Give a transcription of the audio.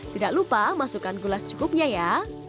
tidak lupa masukkan gula secukupnya ya